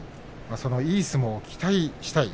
そのいい相撲を期待したい。